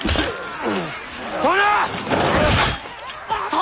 殿！